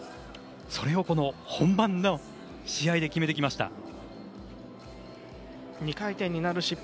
それを本番の試合で決めてきました。